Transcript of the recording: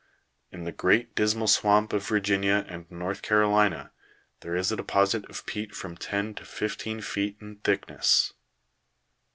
In the Great Dismal Swamp of Virginia and North Carolina, there is a deposit of peat from ten to fifteen feet in thickness.